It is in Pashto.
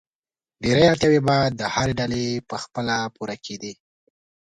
ډېری اړتیاوې به د هرې ډلې په خپله پوره کېدې.